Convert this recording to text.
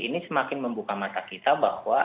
ini semakin membuka mata kita bahwa